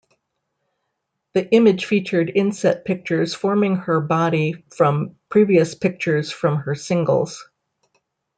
The image featured inset pictures forming her body from previous pictures from her singles.